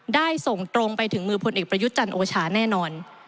ได้ส่งตรงไปถึงมือพลเอกประยุทธ์จันทร์โอชาแน่นอน